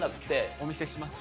お見せします。